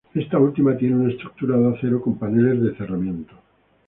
Esta última tiene una estructura de acero con paneles de cerramiento.